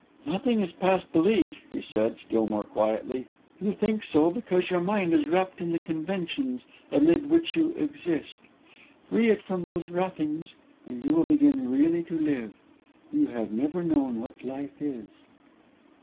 "Nothing is past belief," he said, still more quietly, "You think so because your mind is wrapped in the conventions amid which you exist. Free it from those wrappings, and you will begin really to live. You have never known what life is."